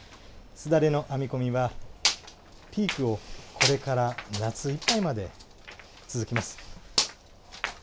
簾の編み込みは、ピークをこれから夏いっぱいまで続きます。